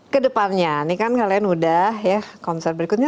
kedepannya ini kan kalian udah ya konser berikutnya